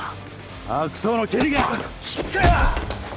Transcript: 悪党の蹴りが効くかよ！